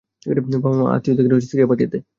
বাবা আমাকে আত্মীয়দের সাথে সিরিয়া পাঠিয়ে দেয়।